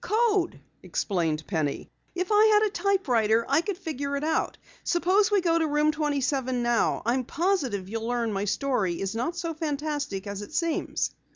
"Code," explained Penny. "If I had a typewriter I could figure it out. Suppose we go to Room 27 now. I'm positive you'll learn that my story is not as fantastic as it seems."